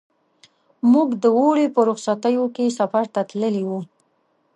موږ د اوړي په رخصتیو کې سفر ته تللي وو.